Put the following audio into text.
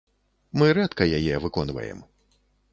Мы рэдка яе выконваем.